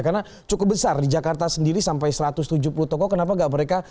karena cukup besar di jakarta sendiri sampai satu ratus tujuh puluh toko kenapa gak mereka